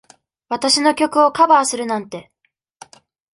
私の曲をカバーするなんて。